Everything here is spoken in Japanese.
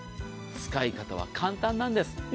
使い方は簡単なんです。